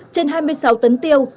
trên hai mươi sáu tấn tiêu